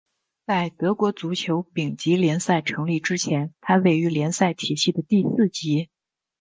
在德国足球丙级联赛成立之前它位于联赛体系的第四级。